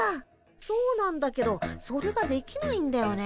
そうなんだけどそれができないんだよね。